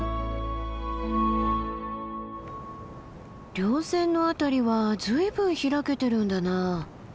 稜線の辺りは随分開けてるんだな。